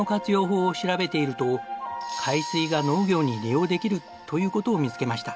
法を調べていると海水が農業に利用できるという事を見つけました。